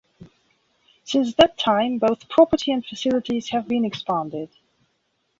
Since that time, both property and facilities have been expanded.